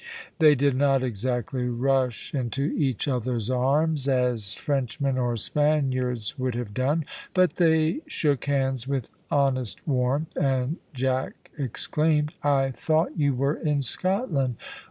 They did not exactly rush into each other's arms as Frenchmen or Spaniards would have done, but they shook hands with honest warmth, and Jack exclaimed, "I thought you were in Scotland.